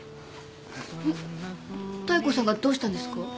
妙子さんがどうしたんですか？